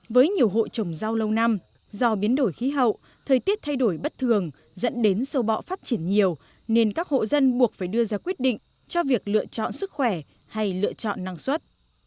với nhiều hộ trồng rau lâu năm do biến đổi khí hậu thời tiết thay đổi bất thường dẫn đến sâu bọ phát triển nhiều nên các hộ dân buộc phải đưa ra quyết định cho việc lựa chọn sức khỏe hay lựa chọn năng suất